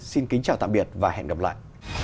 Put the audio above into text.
xin kính chào tạm biệt và hẹn gặp lại